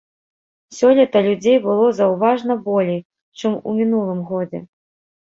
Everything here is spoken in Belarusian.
Сёлета людзей было заўважна болей, чым у мінулым годзе.